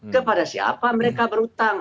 kepada siapa mereka berhutang